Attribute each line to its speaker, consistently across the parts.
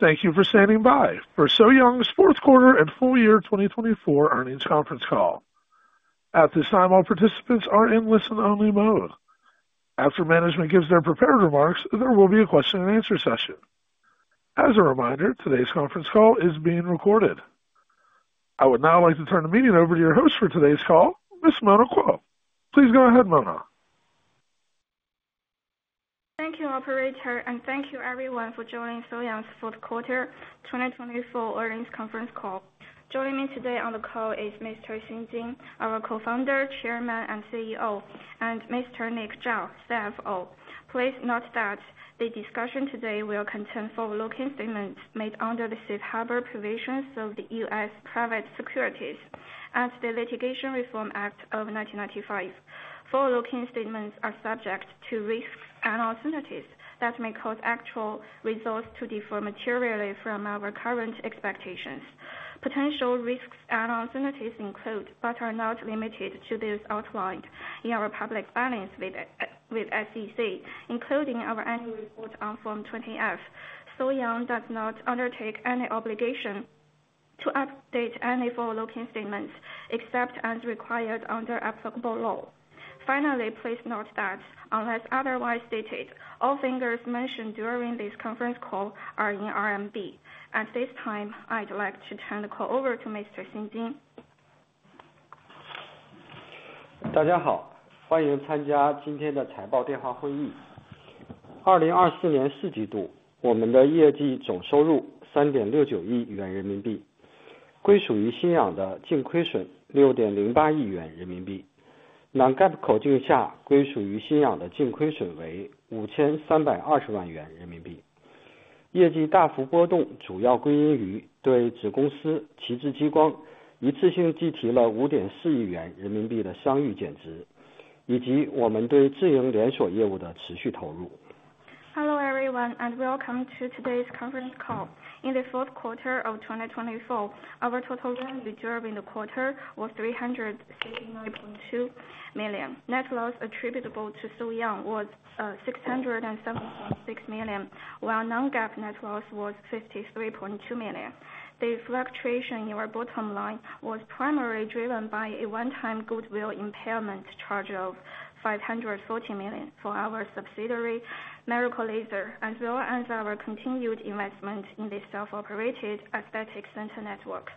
Speaker 1: Thank you for standing by for So-Young's Q4 and full year 2024 earnings conference call. At this time, all participants are in listen-only mode. After management gives their prepared remarks, there will be a Q&A session. As a reminder, today's conference call is being recorded. I would now like to turn the meeting over to your host for today's call, Ms. Mona Qiao. Please go ahead, Mona.
Speaker 2: Thank you, Operator, and thank you, everyone, for joining So-Young's Q4 2024 Earnings Conference Call. Joining me today on the call is Mr. Xing Jin, our Co-founder, Chairman, and CEO, and Mr. Hui Zhao, CFO. Please note that the discussion today will contain forward-looking statements made under the safe harbor provisions of the U.S. Private Securities and the Litigation Reform Act of 1995. Forward-looking statements are subject to risks and alternatives that may cause actual results to differ materially from our current expectations. Potential risks and alternatives include, but are not limited to, those outlined in our public filings with the SEC, including our annual report on Form 20-F. So-Young does not undertake any obligation to update any forward-looking statements except as required under applicable law. Finally, please note that, unless otherwise stated, all figures mentioned during this conference call are in RMB. At this time, I'd like to turn the call over to Mr. Xing Jin. Hello everyone and Welcome to Today's Conference Call. In the Q4 of 2024, our total revenue during the quarter was 369.2 million. Net loss attributable to So-Young was 67.6 million, while non-GAAP net loss was 53.2 million. The fluctuation in our bottom line was primarily driven by a one-time goodwill impairment charge of 540 million for our subsidiary Miracle Laser, as well as our continued investment in the self-operated aesthetic center network.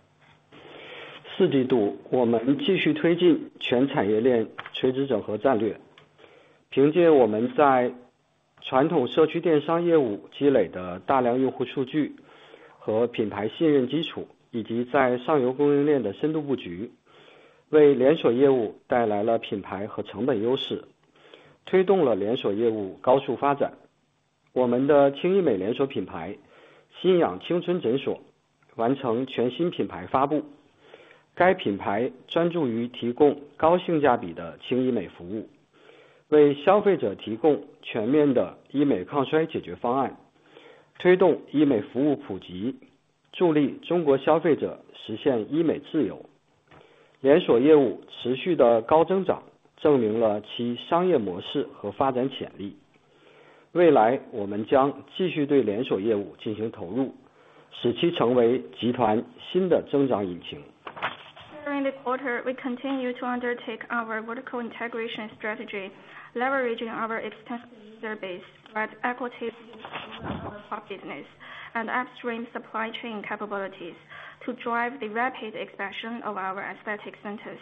Speaker 2: During the quarter, we continue to undertake our vertical integration strategy, leveraging our extensive base with e-commerce business, and upstream supply chain capabilities to drive the rapid expansion of our aesthetic centers.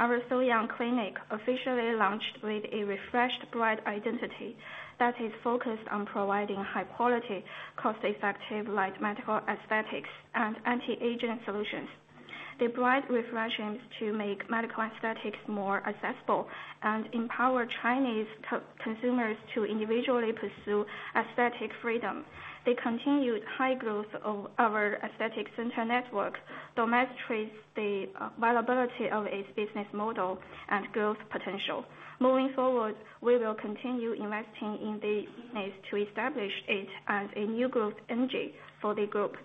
Speaker 2: Our So-Young clinic officially launched with a refreshed brand identity that is focused on providing high-quality, cost-effective light medical aesthetics and anti-aging solutions. The brand refresh aims to make medical aesthetics more accessible and empower Chinese consumers to individually pursue aesthetic freedom. The continued high growth of our aesthetic center network demonstrates the viability of its business model and growth potential. Moving forward, we will continue investing in the business to establish it as a new growth engine for the group.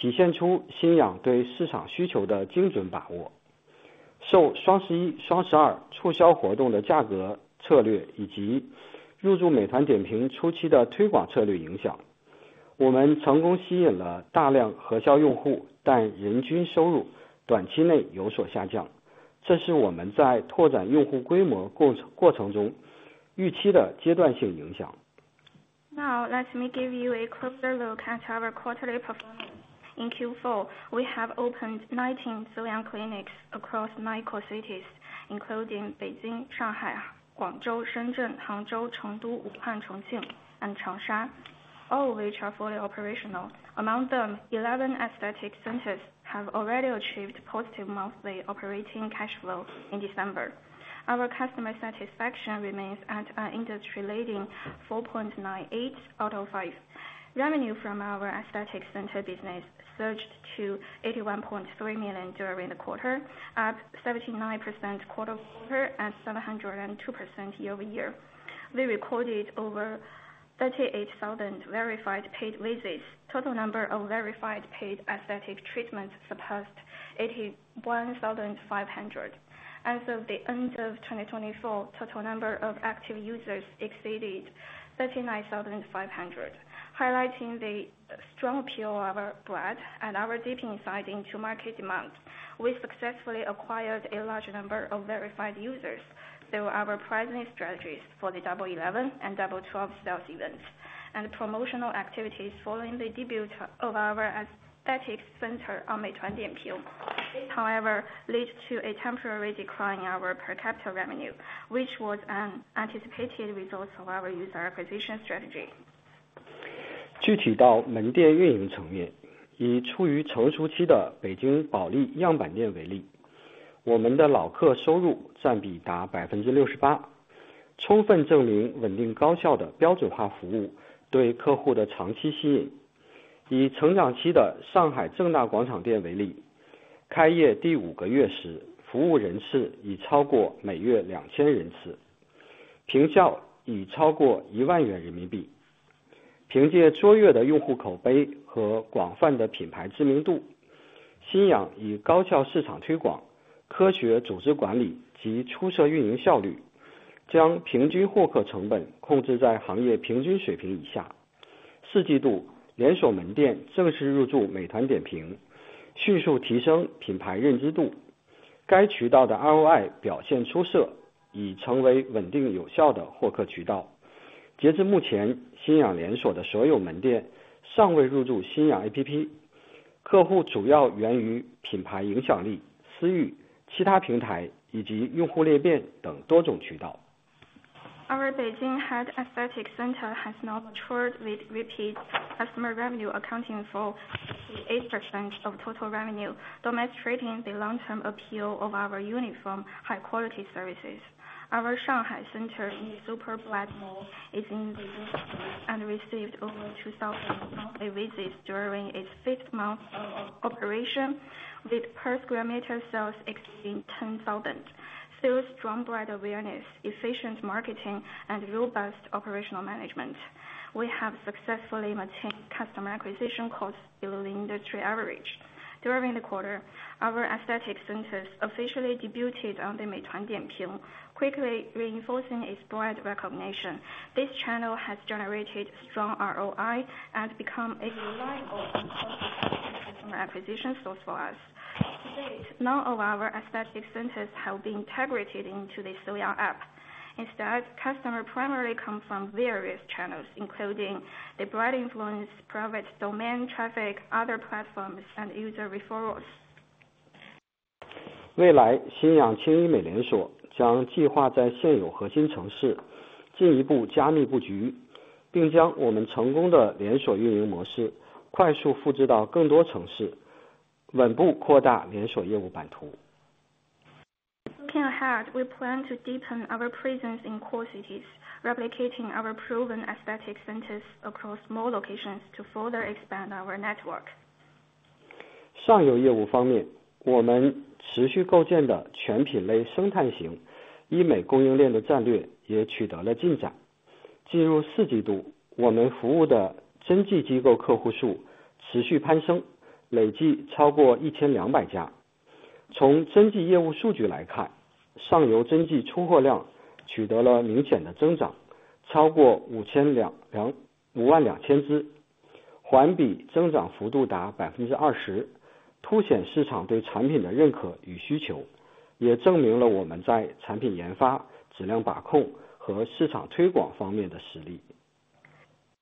Speaker 2: Now let me give you a closer look at our quarterly performance. In Q4, we have opened 19 So-Young clinics across nine core cities, including Beijing, Shanghai, Guangzhou, Shenzhen, Hangzhou, Chengdu, Wuhan, Chongqing, and Changsha, all of which are fully operational. Among them, 11 aesthetic centers have already achieved positive monthly operating cash flow in December. Our customer satisfaction remains at an industry-leading 4.98 out of 5. Revenue from our aesthetic center business surged to 81.3 million during the quarter, up 79% quarter-to-quarter and 702% year-over-year. We recorded over 38,000 verified paid visits. The total number of verified paid aesthetic treatments surpassed 81,500. As of the end of 2024, the total number of active users exceeded 39,500, highlighting the strong appeal of our brand and our deep insight into market demand. We successfully acquired a large number of verified users through our pricing strategies for the Double 11 and Double 12 sales events and promotional activities following the debut of our aesthetic center on Meituan. However, this led to a temporary decline in our per capita revenue, which was an anticipated result of our user acquisition strategy.
Speaker 3: 具体到门店运营层面，以处于成熟期的北京保利样板店为例，我们的老客收入占比达68%，充分证明稳定高效的标准化服务对客户的长期吸引。以成长期的上海正大广场店为例，开业第五个月时，服务人次已超过每月2,000人次，评价已超过1万元人民币。凭借卓越的用户口碑和广泛的品牌知名度，信仰以高效市场推广、科学组织管理及出色运营效率，将平均获客成本控制在行业平均水平以下。四季度，连锁门店正式入驻美团点评，迅速提升品牌认知度。该渠道的ROI表现出色，已成为稳定有效的获客渠道。截至目前，信仰连锁的所有门店尚未入驻信仰APP，客户主要源于品牌影响力、私域、其他平台以及用户裂变等多种渠道。
Speaker 2: Our Beijing Head Aesthetic Center has now matured with repeat customer revenue accounting for 68% of total revenue, demonstrating the long-term appeal of our uniform high-quality services. Our Shanghai center in Super Brand Mall is in Beijing and received over 2,000 monthly visits during its fifth month of operation, with per square meter sales exceeding 10,000. Through strong brand awareness, efficient marketing, and robust operational management, we have successfully maintained customer acquisition costs below the industry average. During the quarter, our aesthetic centers officially debuted on Meituan, quickly reinforcing its brand recognition. This channel has generated strong ROI and become a reliable and cost-effective customer acquisition source for us. To date, none of our aesthetic centers have been integrated into the So-Young app. Instead, customers primarily come from various channels, including the brand influence, private domain traffic, other platforms, and user referrals.
Speaker 3: 未来，信仰轻医美连锁将计划在现有核心城市进一步加密布局，并将我们成功的连锁运营模式快速复制到更多城市，稳步扩大连锁业务版图。
Speaker 2: Looking ahead, we plan to deepen our presence in core cities, replicating our proven aesthetic centers across more locations to further expand our network.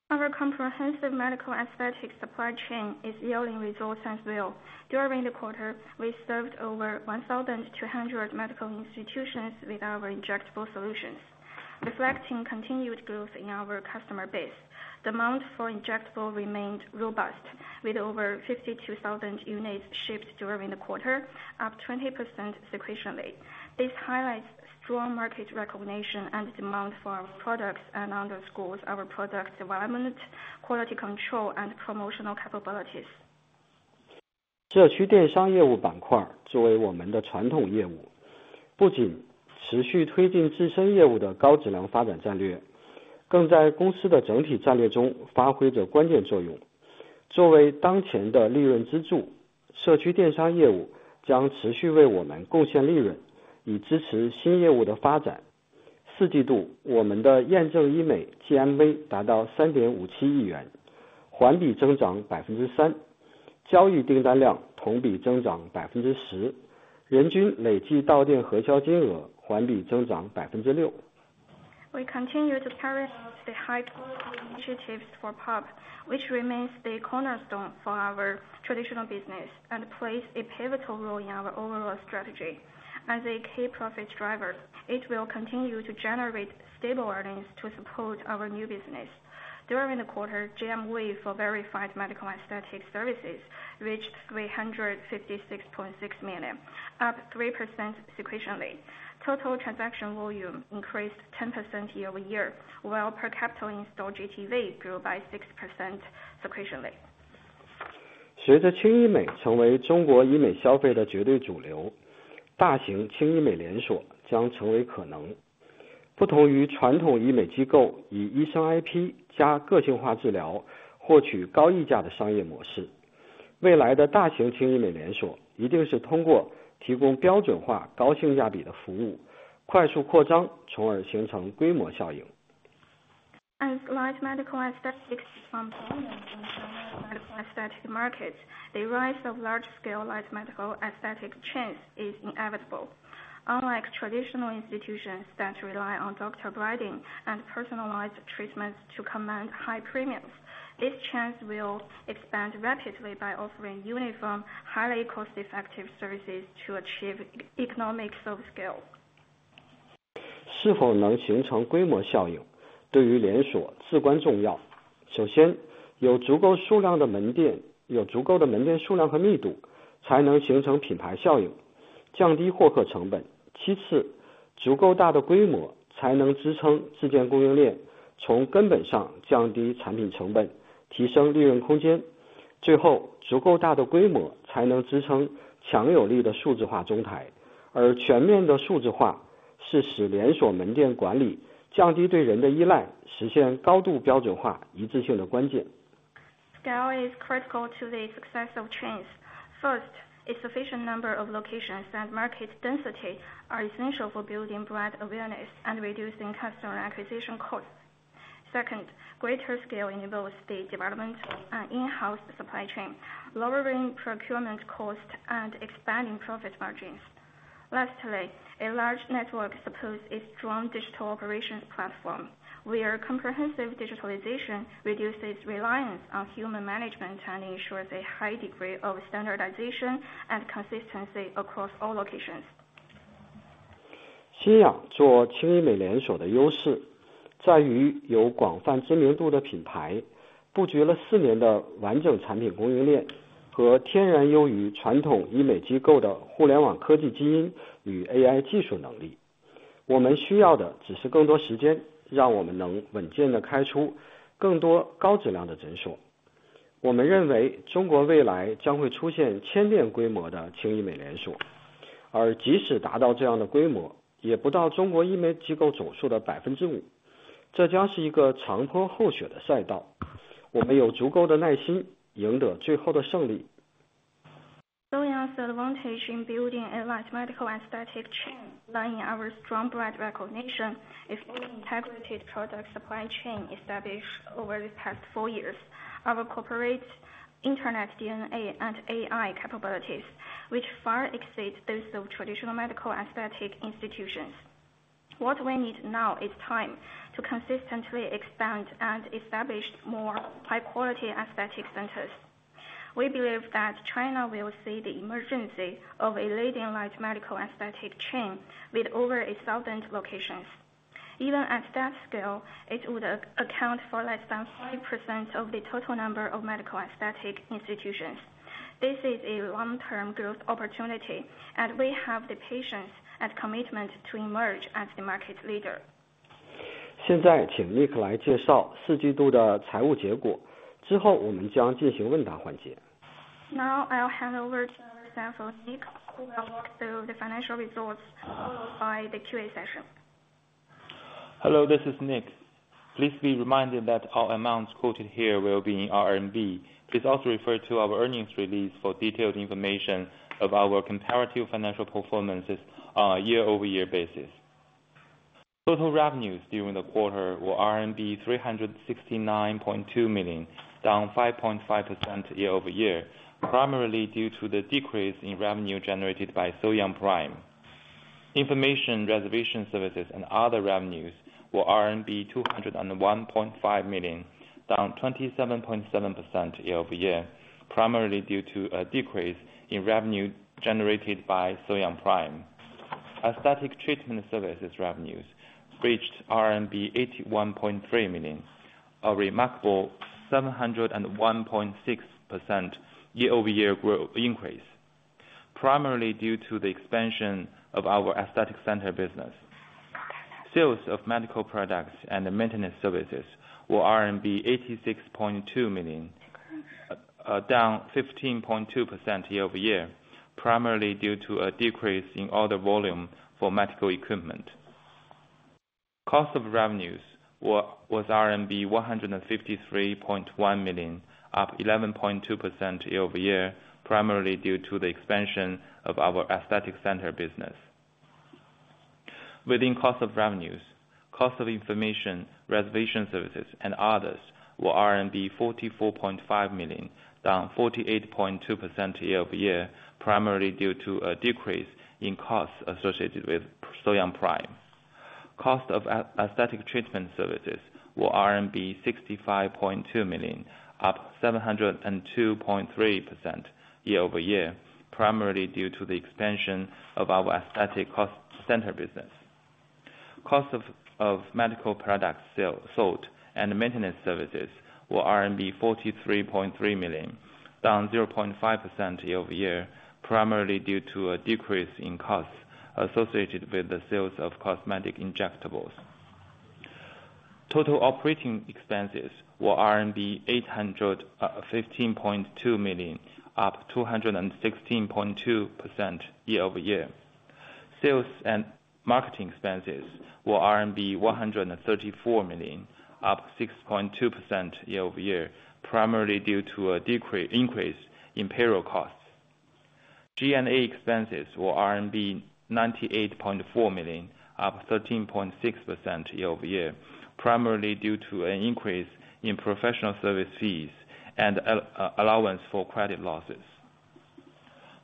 Speaker 2: Our comprehensive medical aesthetic supply chain is yielding results as well. During the quarter, we served over 1,200 medical institutions with our injectable solutions, reflecting continued growth in our customer base. Demand for injectable remained robust, with over 52,000 units shipped during the quarter, up 20% sequentially. This highlights strong market recognition and demand for our products and underscores our product development, quality control, and promotional capabilities.
Speaker 3: 社区电商业务板块作为我们的传统业务，不仅持续推进自身业务的高质量发展战略，更在公司的整体战略中发挥着关键作用。作为当前的利润支柱，社区电商业务将持续为我们贡献利润，以支持新业务的发展。四季度，我们的验证医美GMV达到3.57亿元，环比增长3%，交易订单量同比增长10%，人均累计到店核销金额环比增长6%。
Speaker 2: We continue to carry the high initiatives for POP, which remains the cornerstone for our traditional business and plays a pivotal role in our overall strategy. As a key profit driver, it will continue to generate stable earnings to support our new business. During the quarter, GMV for verified medical aesthetic services reached 356.6 million, up 3% sequentially. Total transaction volume increased 10% year-over-year, while per capita in-store GMV grew by 6% sequentially.
Speaker 3: 随着轻医美成为中国医美消费的绝对主流，大型轻医美连锁将成为可能。不同于传统医美机构以医生IP加个性化治疗获取高溢价的商业模式，未来的大型轻医美连锁一定是通过提供标准化高性价比的服务快速扩张，从而形成规模效应。
Speaker 2: As large medical aesthetics transform into medical aesthetic markets, the rise of large-scale light medical aesthetic chains is inevitable. Unlike traditional institutions that rely on doctor branding and personalized treatments to command high premiums, this chain will expand rapidly by offering uniform, highly cost-effective services to achieve economies of scale.
Speaker 3: 是否能形成规模效应，对于连锁至关重要。首先，有足够数量的门店，有足够的门店数量和密度，才能形成品牌效应，降低获客成本。其次，足够大的规模才能支撑自建供应链，从根本上降低产品成本，提升利润空间。最后，足够大的规模才能支撑强有力的数字化中台，而全面的数字化是使连锁门店管理降低对人的依赖，实现高度标准化一致性的关键。
Speaker 2: Scale is critical to the success of chains. First, a sufficient number of locations and market density are essential for building brand awareness and reducing customer acquisition costs. Second, greater scale involves the development and in-house supply chain, lowering procurement costs and expanding profit margins. Lastly, a large network supports a strong digital operations platform, where comprehensive digitalization reduces reliance on human management and ensures a high degree of standardization and consistency across all locations.
Speaker 3: 信仰做轻医美连锁的优势在于有广泛知名度的品牌，布局了四年的完整产品供应链和天然优于传统医美机构的互联网科技基因与AI技术能力。我们需要的只是更多时间，让我们能稳健地开出更多高质量的诊所。我们认为中国未来将会出现千店规模的轻医美连锁，而即使达到这样的规模，也不到中国医美机构总数的5%。这将是一个长坡候选的赛道。我们有足够的耐心赢得最后的胜利。
Speaker 2: So-Young's advantage in building a light medical aesthetic chain lies in our strong brand recognition, its integrated product supply chain established over the past four years, our corporate internet DNA, and AI capabilities, which far exceed those of traditional medical aesthetic institutions. What we need now is time to consistently expand and establish more high-quality aesthetic centers. We believe that China will see the emergence of a leading light medical aesthetic chain with over 1,000 locations. Even at that scale, it would account for less than 5% of the total number of medical aesthetic institutions. This is a long-term growth opportunity, and we have the patience and commitment to emerge as the market leader.
Speaker 3: 现在请Nick来介绍四季度的财务结果，之后我们将进行问答环节。
Speaker 2: Now I'll hand over to our CFO Hui Zhao, who will walk through the financial results followed by the Q&A session.
Speaker 4: Hello, this is Nick. Please be reminded that our amounts quoted here will be in RMB. Please also refer to our earnings release for detailed information of our comparative financial performances on a year-over-year basis. Total revenues during the quarter were RMB 369.2 million, down 5.5% year-over-year, primarily due to the decrease in revenue generated by So-Young Prime. Information reservation services and other revenues were RMB 201.5 million, down 27.7% year-over-year, primarily due to a decrease in revenue generated by So-Young Prime. Aesthetic treatment services revenues reached RMB 81.3 million, a remarkable 701.6% year-over-year growth increase, primarily due to the expansion of our aesthetic center business. Sales of medical products and maintenance services were RMB 86.2 million, down 15.2% year-over-year, primarily due to a decrease in order volume for medical equipment. Cost of revenues was RMB 153.1 million, up 11.2% year-over-year, primarily due to the expansion of our aesthetic center business. Within cost of revenues, cost of information reservation services and others were RMB 44.5 million, down 48.2% year-over-year, primarily due to a decrease in costs associated with So-Young Prime. Cost of aesthetic treatment services were RMB 65.2 million, up 702.3% year-over-year, primarily due to the expansion of our aesthetic center business. Cost of medical products sold and maintenance services were RMB 43.3 million, down 0.5% year-over-year, primarily due to a decrease in costs associated with the sales of cosmetic injectables. Total operating expenses were RMB 815.2 million, up 216.2% year-over-year. Sales and marketing expenses were RMB 134 million, up 6.2% year-over-year, primarily due to a decrease in payroll costs. G&A expenses were RMB 98.4 million, up 13.6% year-over-year, primarily due to an increase in professional service fees and allowance for credit losses.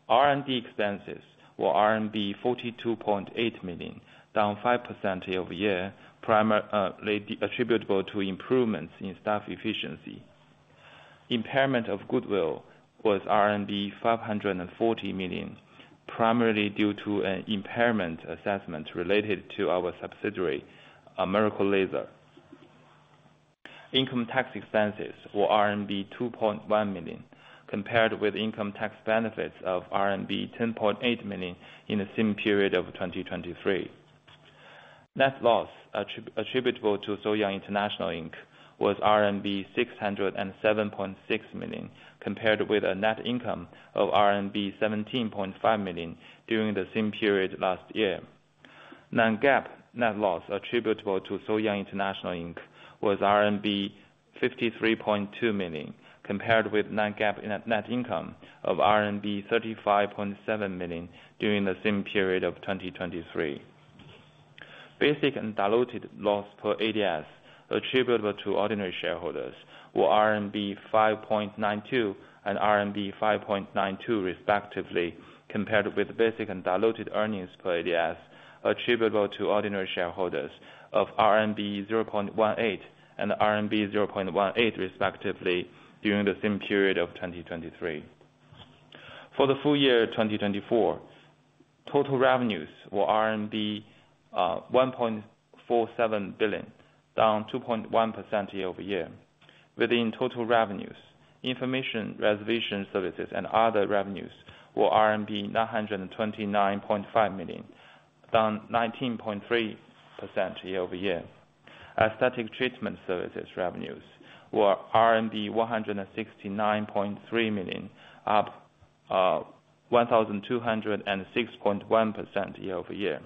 Speaker 4: R&D expenses were RMB 42.8 million, down 5% year-over-year, primarily attributable to improvements in staff efficiency. Impairment of goodwill was RMB 540 million, primarily due to an impairment assessment related to our subsidiary, Miracle Laser. Income tax expenses were RMB 2.1 million, compared with income tax benefits of RMB 10.8 million in the same period of 2023. Net loss attributable to So-Young International was RMB 607.6 million, compared with a net income of RMB 17.5 million during the same period last year. Non-GAAP net loss attributable to So-Young International was RMB 53.2 million, compared with non-GAAP net income of RMB 35.7 million during the same period of 2023. Basic and diluted loss per ADS attributable to ordinary shareholders were RMB 5.92 and RMB 5.92, respectively, compared with basic and diluted earnings per ADS attributable to ordinary shareholders of RMB 0.18 and RMB 0.18, respectively, during the same period of 2023. For the full year 2024, total revenues were RMB 1.47 billion, down 2.1% year-over-year. Within total revenues, information reservation services and other revenues were RMB 929.5 million, down 19.3% year-over-year. Aesthetic treatment services revenues were RMB 169.3 million, up 1,206.1% year-over-year.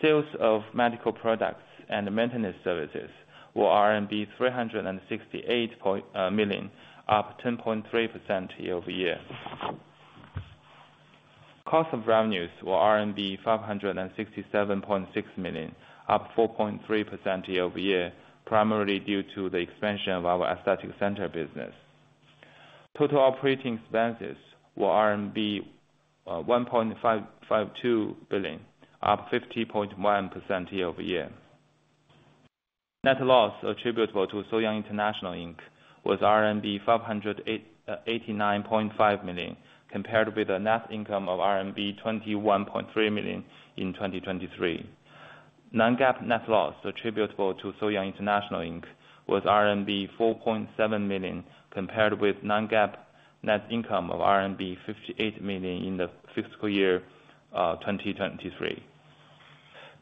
Speaker 4: Sales of medical products and maintenance services were RMB 368 million, up 10.3% year-over-year. Cost of revenues were RMB 567.6 million, up 4.3% year-over-year, primarily due to the expansion of our aesthetic center business. Total operating expenses were RMB 1.552 billion, up 50.1% year-over-year. Net loss attributable to So-Young International was RMB 589.5 million, compared with a net income of RMB 21.3 million in 2023. Non-GAAP net loss attributable to So-Young International was RMB 4.7 million, compared with non-GAAP net income of RMB 58 million in the fiscal year 2023.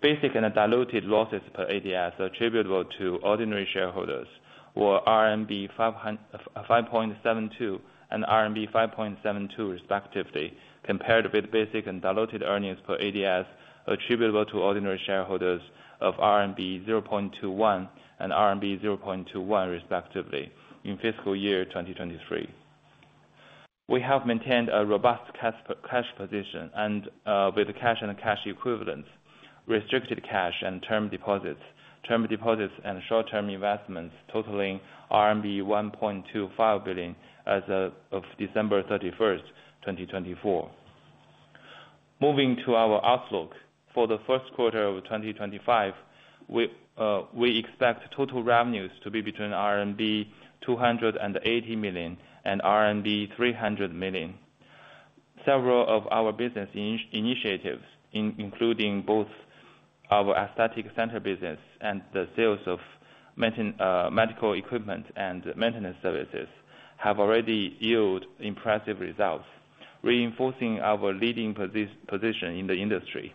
Speaker 4: Basic and diluted losses per ADS attributable to ordinary shareholders were RMB 5.72 and RMB 5.72, respectively, compared with basic and diluted earnings per ADS attributable to ordinary shareholders of RMB 0.21 and RMB 0.21, respectively, in fiscal year 2023. We have maintained a robust cash position with cash and cash equivalents, restricted cash and term deposits, term deposits, and short-term investments totaling RMB 1.25 billion as of December 31, 2024. Moving to our outlook for the first quarter of 2025, we expect total revenues to be between RMB 280 million and RMB 300 million. Several of our business initiatives, including both our aesthetic center business and the sales of medical equipment and maintenance services, have already yielded impressive results, reinforcing our leading position in the industry.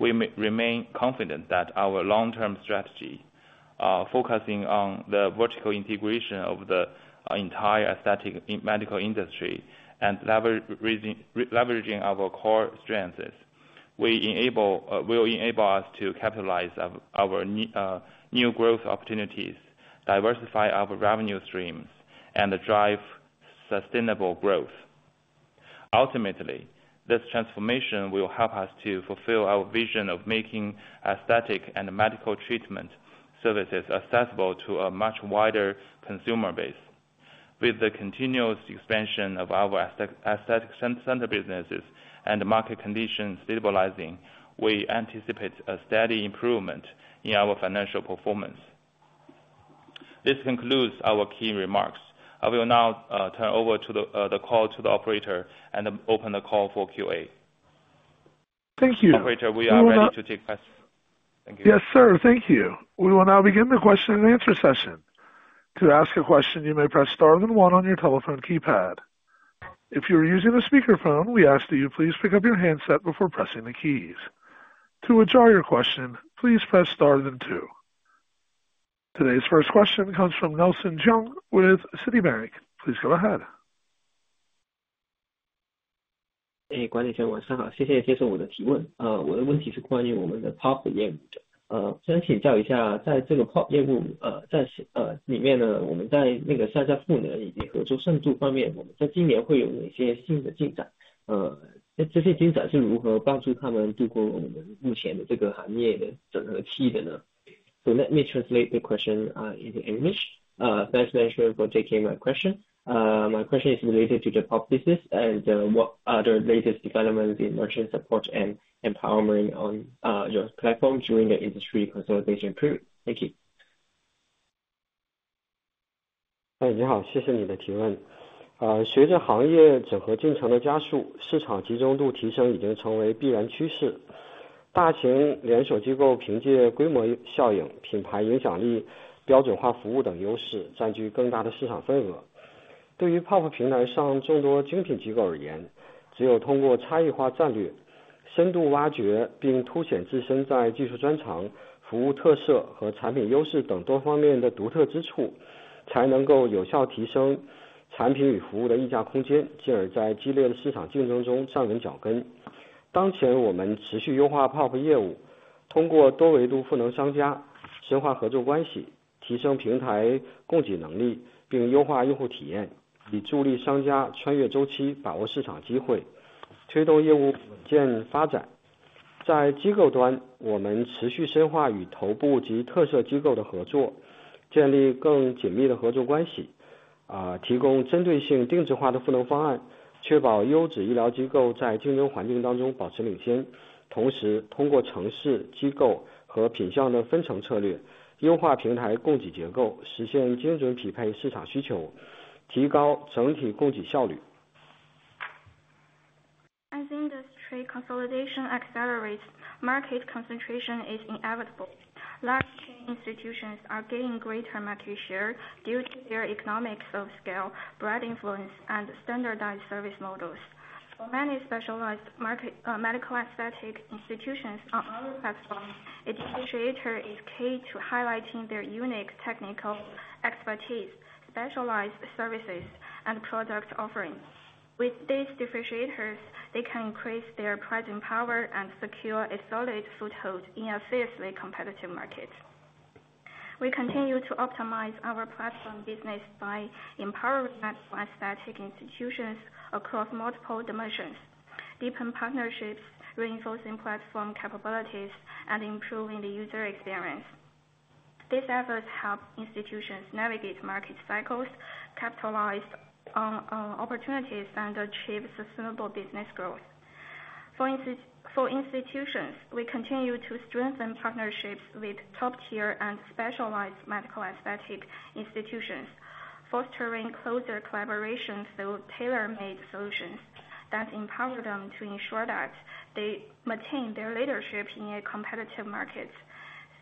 Speaker 4: We remain confident that our long-term strategy, focusing on the vertical integration of the entire aesthetic medical industry and leveraging our core strengths, will enable us to capitalize on our new growth opportunities, diversify our revenue streams, and drive sustainable growth. Ultimately, this transformation will help us to fulfill our vision of making aesthetic and medical treatment services accessible to a much wider consumer base. With the continuous expansion of our aesthetic center businesses and market conditions stabilizing, we anticipate a steady improvement in our financial performance. This concludes our key remarks. I will now turn over the call to the operator and open the call for QA.
Speaker 1: Thank you.
Speaker 4: Operator, we are ready to take questions. Thank you.
Speaker 1: Yes, sir. Thank you. We will now begin the Q&A session. To ask a question, you may press star then one on your telephone keypad. If you're using a speakerphone, we ask that you please pick up your handset before pressing the keys. To withdraw your question, please press star then two. Today's first question comes from Nelson Cheung with Citibank. Please go ahead.
Speaker 5: 各位观众朋友晚上好，谢谢接受我的提问。我的问题是关于我们的POP的业务。先请教一下，在这个POP业务里面，我们在下家赋能以及合作深度方面，我们在今年会有哪些新的进展？这些进展是如何帮助他们度过我们目前的这个行业的整合期的呢？ Let me translate the question into English. Thanks, Nelson, for taking my question. My question is related to the POP business and what are the latest developments in merchant support and empowerment on your platform during the industry consolidation period? Thank you.
Speaker 3: As industry consolidation accelerates, market concentration is inevitable. Large-chain institutions are gaining greater market share due to their economics of scale, brand influence, and standardized service models. For many specialized medical aesthetic institutions on our platform, a differentiator is key to highlighting their unique technical expertise, specialized services, and product offerings. With these differentiators, they can increase their pricing power and secure a solid foothold in a fiercely competitive market. We continue to optimize our platform business by empowering medical aesthetic institutions across multiple dimensions, deepen partnerships, reinforcing platform capabilities, and improving the user experience. These efforts help institutions navigate market cycles, capitalize on opportunities, and achieve sustainable business growth. For institutions, we continue to strengthen partnerships with top-tier and specialized medical aesthetic institutions, fostering closer collaboration through tailor-made solutions that empower them to ensure that they maintain their leadership in a competitive market.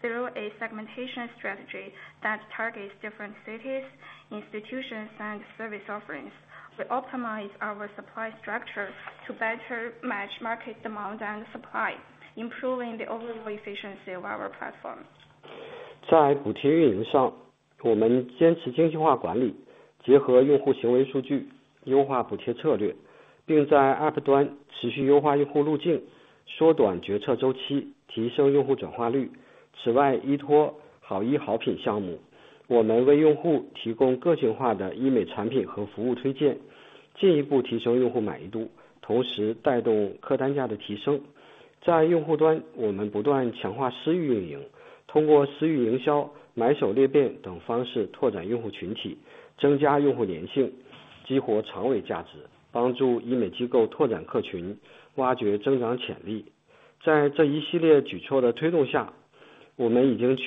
Speaker 3: Through a segmentation strategy that targets different cities, institutions, and service offerings, we optimize our supply structure to better match market demand and supply, improving the overall efficiency of our platform. In terms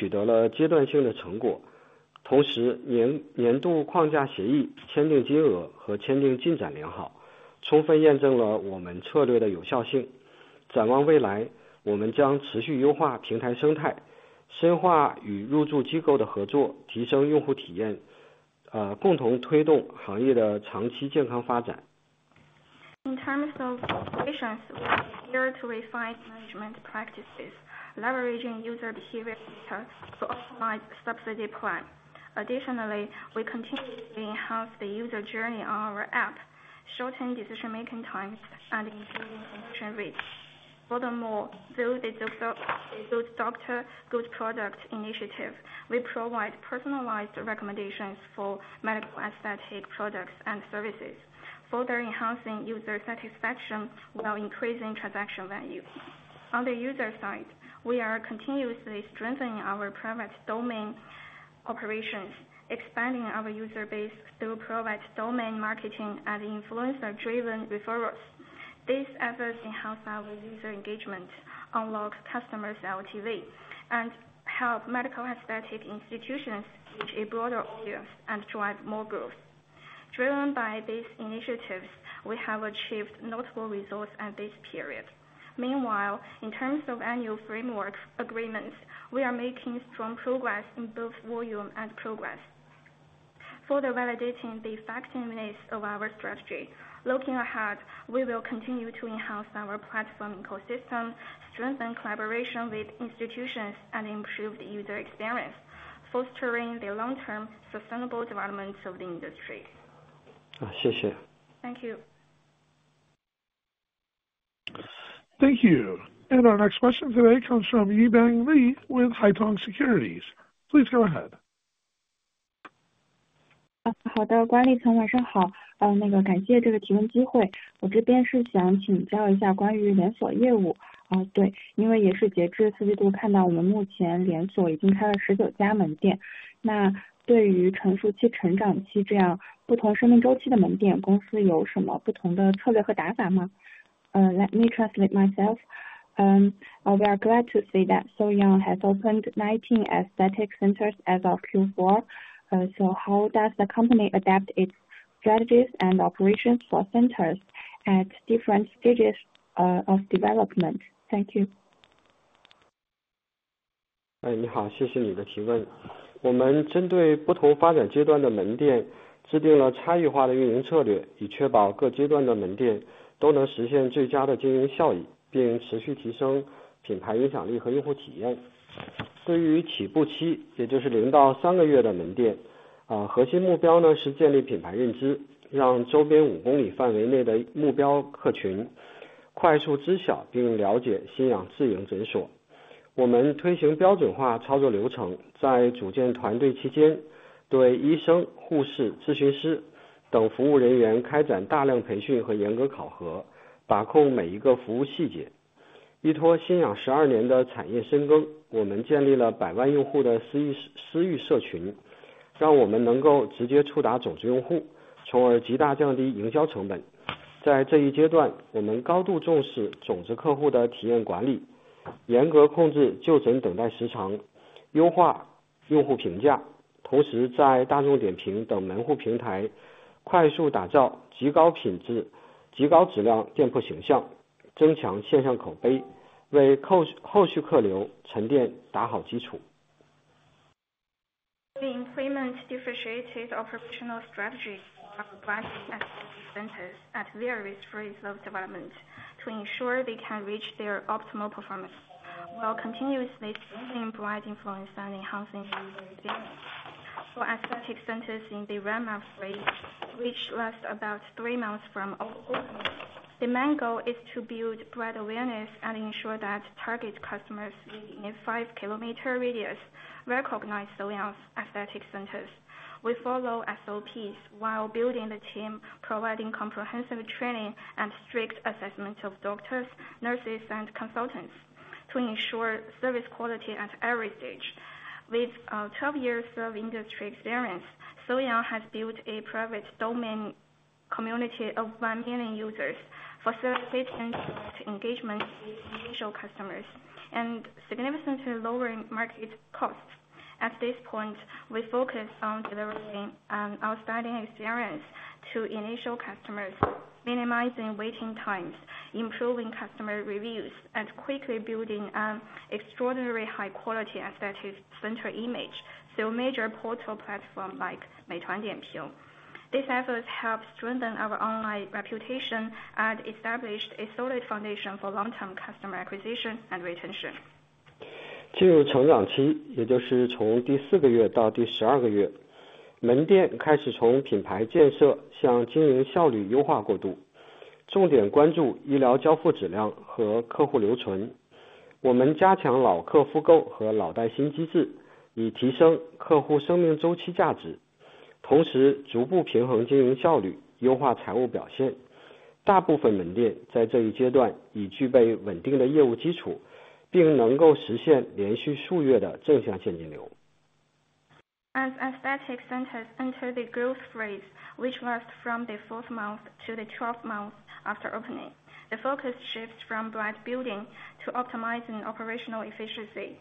Speaker 3: of operations, we are here to refine management practices, leveraging user behavior data to optimize subsidy plan. Additionally, we continue to enhance the user journey on our app, shortening decision-making times and improving conversion rates. Furthermore, through the Good Doctor, Good Product initiative, we provide personalized recommendations for medical aesthetic products and services, further enhancing user satisfaction while increasing transaction value. On the user side, we are continuously strengthening our private domain operations, expanding our user base through private domain marketing and influencer-driven referrals. These efforts enhance our user engagement, unlock customer loyalty, and help medical aesthetic institutions reach a broader audience and drive more growth. Driven by these initiatives, we have achieved notable results at this period. Meanwhile, in terms of annual framework agreements, we are making strong progress in both volume and progress. Further validating the effectiveness of our strategy, looking ahead, we will continue to enhance our platform ecosystem, strengthen collaboration with institutions, and improve the user experience, fostering the long-term sustainable development of the industry. 谢谢。Thank you.
Speaker 1: Thank you. Our next question today comes from Yibing Li with Haitong Securities. Please go ahead.
Speaker 6: 好的，管理层晚上好。感谢这个提问机会。我这边是想请教一下关于连锁业务。对，因为也是截至四季度，看到我们目前连锁已经开了19家门店。那对于成熟期、成长期这样不同生命周期的门店，公司有什么不同的策略和打法吗？ Let me translate myself. We are glad to see that So-Young has opened 19 aesthetic centers as of Q4. So how does the company adapt its strategies and operations for centers at different stages of development? Thank you.
Speaker 3: The employment differentiated operational strategy of the centers at various rates of development to ensure they can reach their optimal performance while continuously improving influence and enhancing user experience. For aesthetic centers in the ramp-up stage which lasts about three months from opening. The main goal is to build broad awareness and ensure that target customers within a 5 km radius recognize So-Young's aesthetic centers. We follow SOPs while building the team, providing comprehensive training and strict assessment of doctors, nurses, and consultants to ensure service quality at every stage. With 12 years of industry experience, So-Young has built a private domain community of 1 million users, facilitating direct engagement with initial customers and significantly lowering market costs. At this point, we focus on delivering an outstanding experience to initial customers, minimizing waiting times, improving customer reviews, and quickly building an extraordinarily high-quality aesthetic center image through major portal platforms like Meituan Dianping. These efforts help strengthen our online reputation and establish a solid foundation for long-term customer acquisition and retention. As aesthetic centers enter the growth phase, which lasts from the fourth month to the twelfth month after opening, the focus shifts from brand building to optimizing operational efficiency.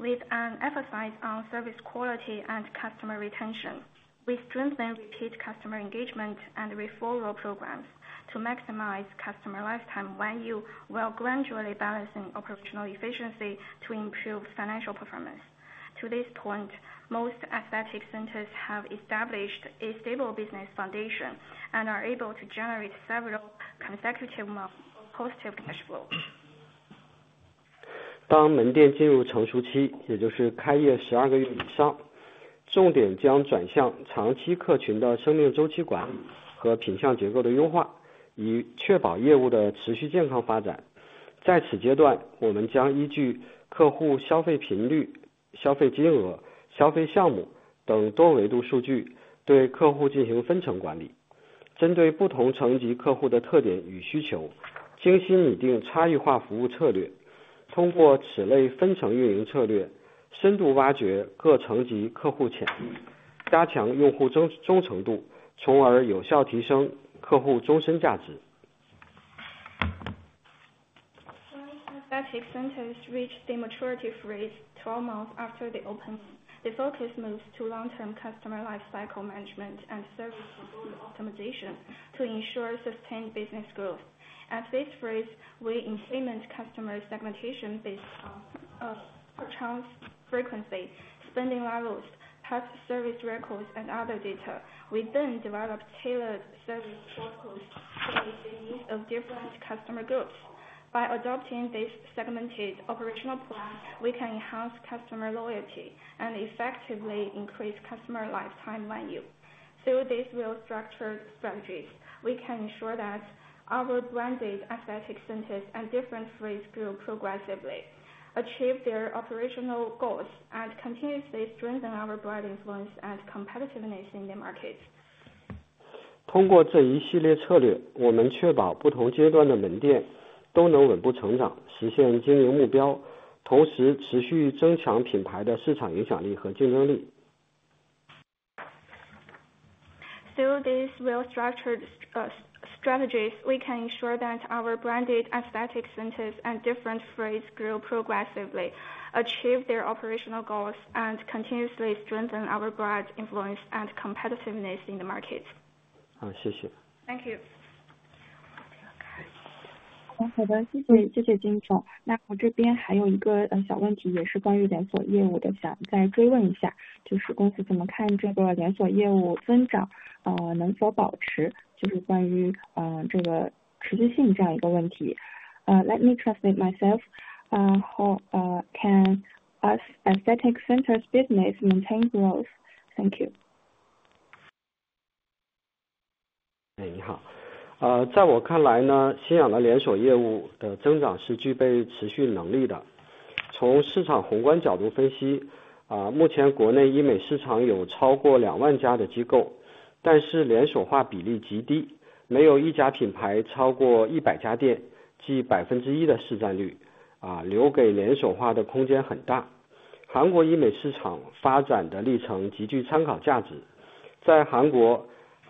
Speaker 3: With an emphasis on service quality and customer retention, we strengthen repeat customer engagement and referral programs to maximize customer lifetime value while gradually balancing operational efficiency to improve financial performance. To this point, most aesthetic centers have established a stable business foundation and are able to generate several consecutive months of positive cash flow. 当门店进入成熟期，也就是开业12个月以上，重点将转向长期客群的生命周期管理和品项结构的优化，以确保业务的持续健康发展。在此阶段，我们将依据客户消费频率、消费金额、消费项目等多维度数据，对客户进行分层管理，针对不同层级客户的特点与需求，精心拟定差异化服务策略，通过此类分层运营策略，深度挖掘各层级客户潜力，加强用户忠诚度，从而有效提升客户终身价值。As aesthetic centers reach the maturity phase twelve months after the opening, the focus moves to long-term customer lifecycle management and service optimization to ensure sustained business growth. At this phase, we implement customer segmentation based on consumption frequency, spending levels, past service records, and other data. We then develop tailored service portfolios based on the needs of different customer groups. By adopting this segmented operational plan, we can enhance customer loyalty and effectively increase customer lifetime value. Through these well-structured strategies, we can ensure that our branded aesthetic centers and different phase groups progressively achieve their operational goals and continuously strengthen our broad influence and competitiveness in the markets. 通过这一系列策略，我们确保不同阶段的门店都能稳步成长，实现经营目标，同时持续增强品牌的市场影响力和竞争力。Through these well-structured strategies, we can ensure that our branded aesthetic centers and different phase groups progressively achieve their operational goals and continuously strengthen our broad influence and competitiveness in the markets. 好的，谢谢。Thank you.
Speaker 6: 好的，谢谢金总。那我这边还有一个小问题，也是关于连锁业务的，想再追问一下，就是公司怎么看这个连锁业务增长，能否保持，就是关于持续性这样一个问题。Let me translate myself. How can us aesthetic centers' business maintain growth? Thank you.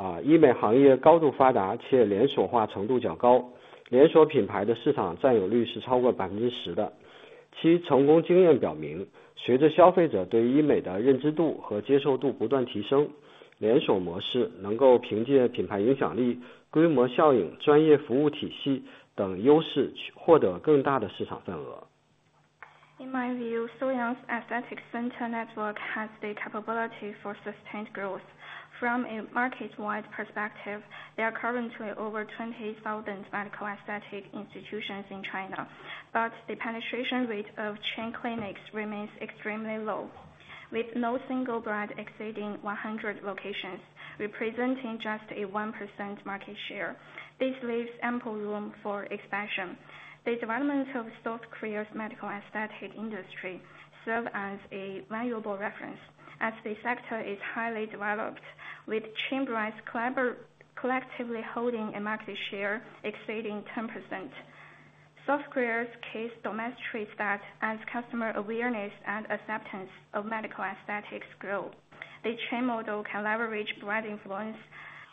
Speaker 3: In my view, So-Young's aesthetic center network has the capability for sustained growth. From a market-wide perspective, there are currently over 20,000 medical aesthetic institutions in China, but the penetration rate of chain clinics remains extremely low, with no single brand exceeding 100 locations, representing just a 1% market share. This leaves ample room for expansion. The development of South Korea's medical aesthetic industry serves as a valuable reference, as the sector is highly developed, with chain brands collectively holding a market share exceeding 10%. South Korea's case demonstrates that as customer awareness and acceptance of medical aesthetics grow, the chain model can leverage broad influence,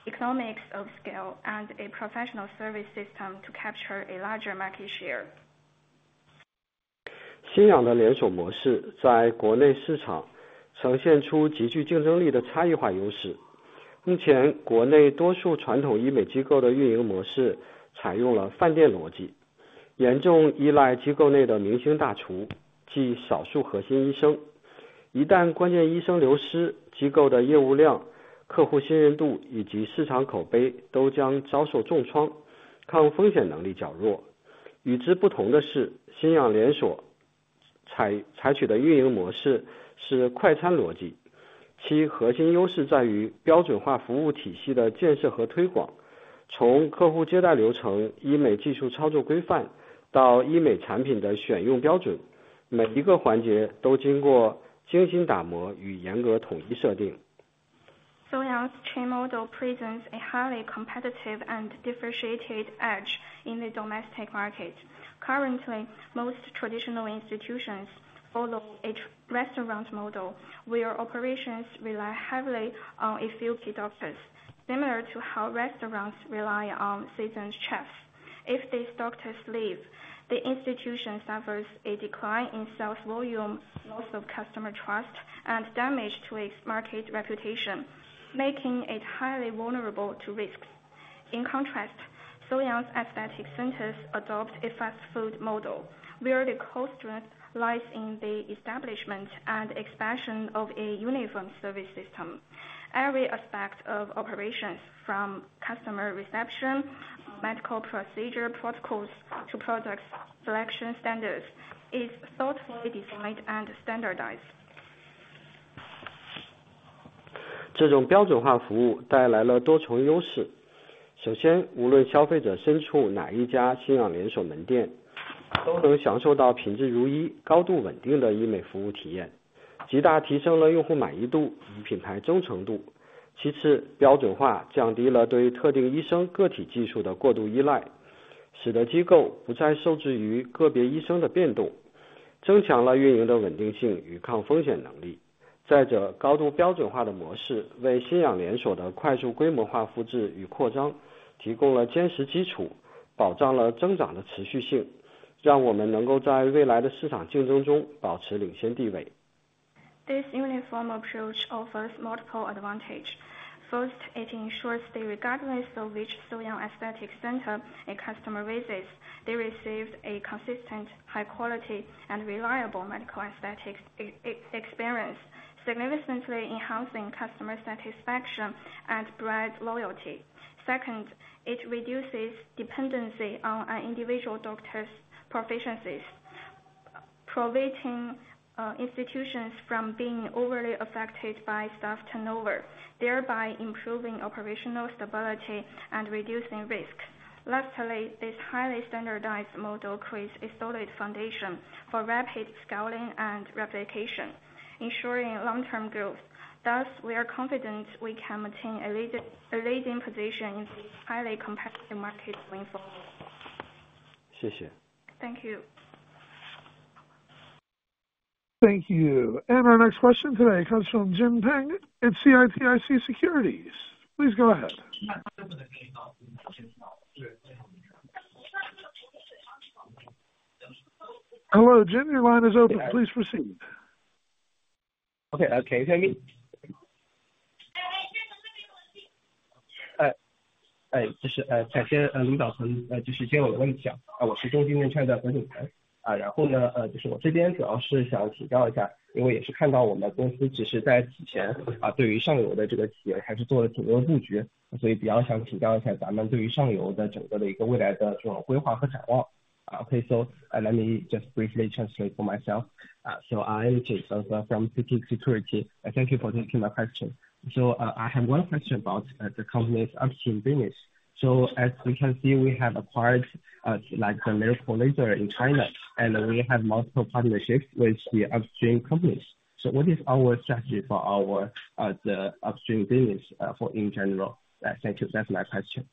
Speaker 3: economics of scale, and a professional service system to capture a larger market share. So-Young's chain model presents a highly competitive and differentiated edge in the domestic market. Currently, most traditional institutions follow a restaurant model, where operations rely heavily on a few key doctors, similar to how restaurants rely on seasoned chefs. If these doctors leave, the institution suffers a decline in sales volume, loss of customer trust, and damage to its market reputation, making it highly vulnerable to risks. In contrast, So-Young's aesthetic centers adopt a fast food model, where the core strength lies in the establishment and expansion of a uniform service system. Every aspect of operations, from customer reception, medical procedure protocols to product selection standards, is thoughtfully designed and standardized. 这种标准化服务带来了多重优势。首先，无论消费者身处哪一家新养连锁门店，都能享受到品质如一、高度稳定的医美服务体验，极大提升了用户满意度与品牌忠诚度。其次，标准化降低了对特定医生个体技术的过度依赖，使得机构不再受制于个别医生的变动，增强了运营的稳定性与抗风险能力。再者，高度标准化的模式为新养连锁的快速规模化复制与扩张提供了坚实基础，保障了增长的持续性，让我们能够在未来的市场竞争中保持领先地位。This uniform approach offers multiple advantages. First, it ensures that regardless of which So-Young aesthetic center a customer visits, they receive a consistent, high-quality, and reliable medical aesthetic experience, significantly enhancing customer satisfaction and brand loyalty. Second, it reduces dependency on individual doctors' proficiencies, preventing institutions from being overly affected by staff turnover, thereby improving operational stability and reducing risk. Lastly, this highly standardized model creates a solid foundation for rapid scaling and replication, ensuring long-term growth. Thus, we are confident we can maintain a leading position in this highly competitive market going forward. 谢谢。Thank you.
Speaker 1: Thank you. Our next question today comes from Jim Peng at CITIC Securities. Please go ahead. Hello, Jim, your line is open. Please proceed.
Speaker 7: 可以，可以，可以。哎，哎，就是，感谢，领导层，就是接我的问题啊。我是中兴证券的冯景才啊，然后呢，就是我这边主要是想请教一下，因为也是看到我们公司其实在此前，对于上游的这个企业还是做了挺多的布局，所以比较想请教一下咱们对于上游的整个的一个未来的这种规划和展望啊。Okay, so let me just briefly translate for myself. I’m Jin Feng from CITIC Securities. Thank you for taking my question. I have one question about the company’s upstream business. As we can see, we have acquired, like the Miracle Laser in China, and we have multiple partnerships with the upstream companies. What is our strategy for our, the upstream business, in general? Thank you. That’s my question.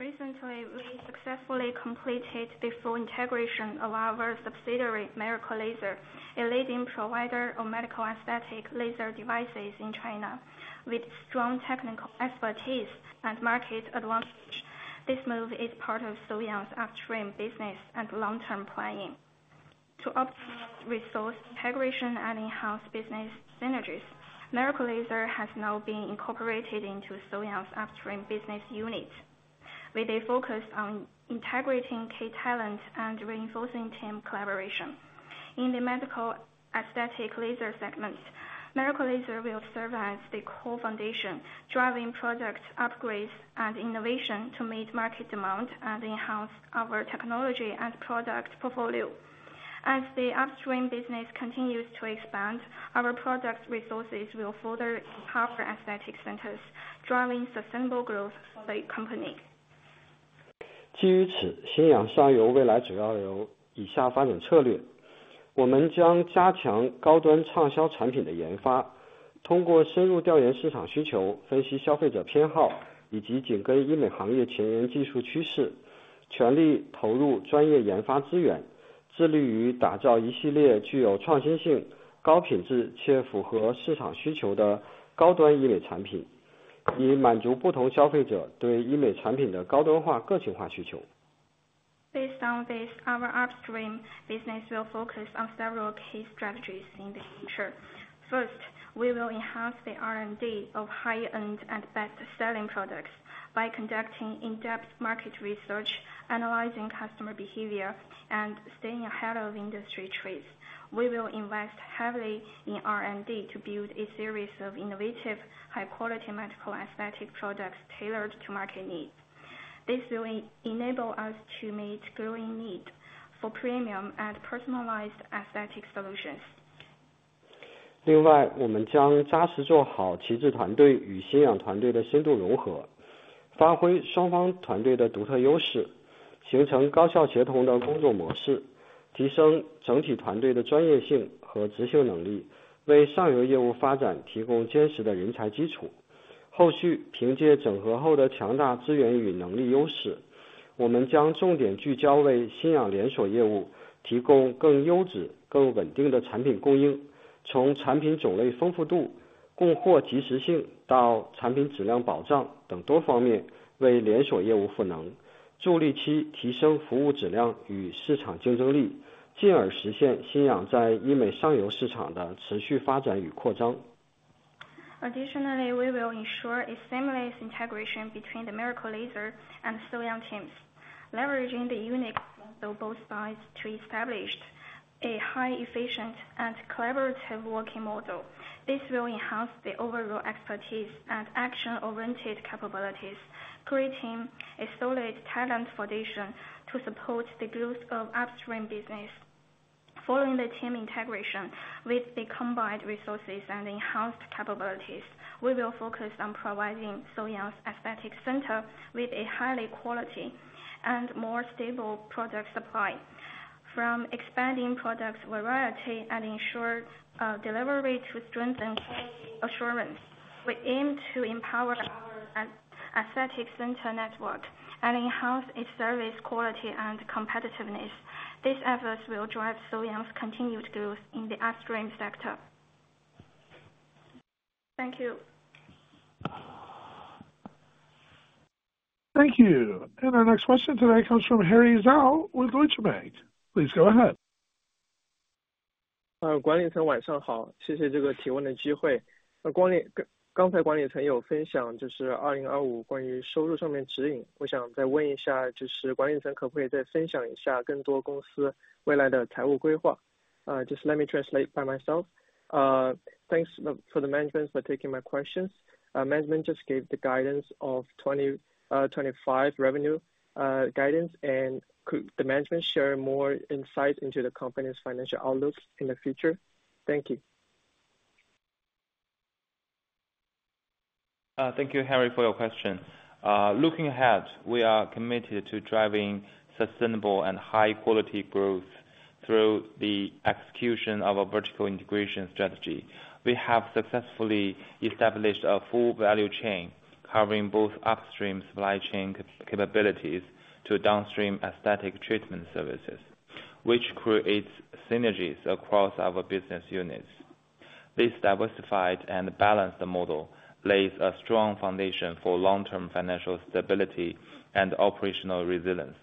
Speaker 3: Recently, we successfully completed the full integration of our subsidiary Miracle Laser, a leading provider of medical aesthetic laser devices in China. With strong technical expertise and market advantage, this move is part of So-Young's upstream business and long-term planning. To optimize resource integration and enhance business synergies, Miracle Laser has now been incorporated into So-Young's upstream business units, with a focus on integrating key talent and reinforcing team collaboration. In the medical aesthetic laser segment, Miracle Laser will serve as the core foundation, driving product upgrades and innovation to meet market demand and enhance our technology and product portfolio. As the upstream business continues to expand, our product resources will further power aesthetic centers, driving sustainable growth for the company. Based on this, our upstream business will focus on several key strategies in the future. First, we will enhance the R&D of high-end and best-selling products by conducting in-depth market research, analyzing customer behavior, and staying ahead of industry trends. We will invest heavily in R&D to build a series of innovative, high-quality medical aesthetic products tailored to market needs. This will enable us to meet growing need for premium and personalized aesthetic solutions. Additionally, we will ensure a seamless integration between the Miracle Laser and So-Young teams, leveraging the unique model both sides to establish a high-efficiency and collaborative working model. This will enhance the overall expertise and action-oriented capabilities, creating a solid talent foundation to support the growth of upstream business. Following the team integration with the combined resources and enhanced capabilities, we will focus on providing So-Young's aesthetic center with a high quality and more stable product supply. From expanding product variety and ensured delivery to strengthen quality assurance, we aim to empower our aesthetic center network and enhance its service quality and competitiveness. These efforts will drive So-Young's continued growth in the upstream sector. Thank you.
Speaker 1: Thank you. Our next question today comes from Leo Chiang with Deutsche Bank. Please go ahead.
Speaker 8: Just let me translate by myself. Thanks for the management for taking my questions. Management just gave the guidance of 2025 revenue guidance, and could the management share more insight into the company's financial outlooks in the future? Thank you.
Speaker 4: Thank you, Harry, for your question. Looking ahead, we are committed to driving sustainable and high-quality growth through the execution of a vertical integration strategy. We have successfully established a full value chain covering both upstream supply chain capabilities to downstream aesthetic treatment services, which creates synergies across our business units. This diversified and balanced model lays a strong foundation for long-term financial stability and operational resilience.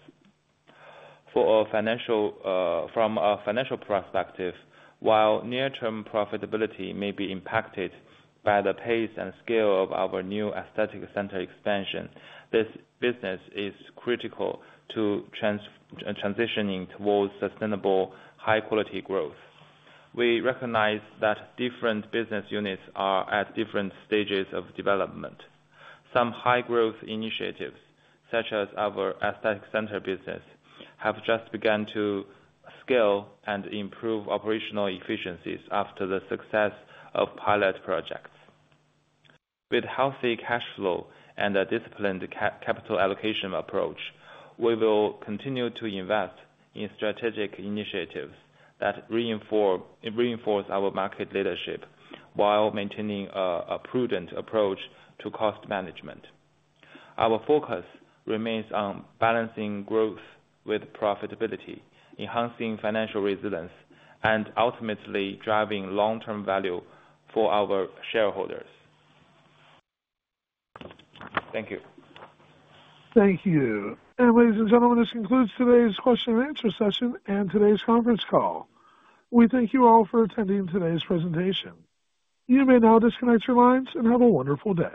Speaker 4: From our financial perspective, while near-term profitability may be impacted by the pace and scale of our new aesthetic center expansion, this business is critical to transitioning towards sustainable, high-quality growth. We recognize that different business units are at different stages of development. Some high-growth initiatives, such as our aesthetic center business, have just begun to scale and improve operational efficiencies after the success of pilot projects. With healthy cash flow and a disciplined capital allocation approach, we will continue to invest in strategic initiatives that reinforce our market leadership while maintaining a prudent approach to cost management. Our focus remains on balancing growth with profitability, enhancing financial resilience, and ultimately driving long-term value for our shareholders. Thank you.
Speaker 1: Thank you. Ladies and gentlemen, this concludes today's Q&A session and today's conference call. We thank you all for attending today's presentation. You may now disconnect your lines and have a wonderful day.